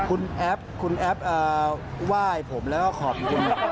คุณแอฟคุณแอฟไหว้ผมแล้วก็ขอบคุณ